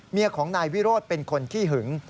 เมียของนายวิโรธเป็นคนขี้หึง